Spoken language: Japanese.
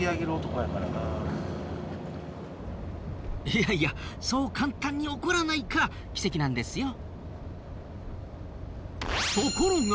いやいやそう簡単に起こらないから奇跡なんですよ。